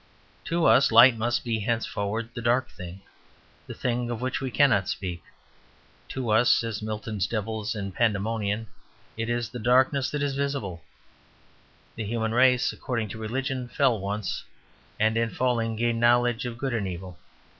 To us light must be henceforward the dark thing the thing of which we cannot speak. To us, as to Milton's devils in Pandemonium, it is darkness that is visible. The human race, according to religion, fell once, and in falling gained knowledge of good and of evil.